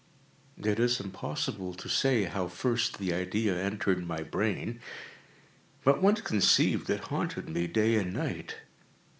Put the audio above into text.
It is impossible to say how first the idea entered my brain; but once conceived, it haunted me day and night.